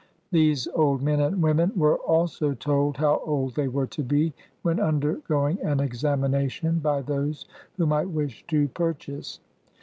These old men and women were also told how old they were to be, when undergo ing an examination by those who might wish to pur chase.